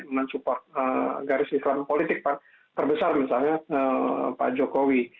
men support garis islam politik terbesar misalnya pak jokowi